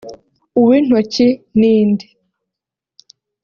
uw’intoki n’indi